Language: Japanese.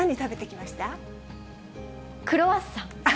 クロワッサン。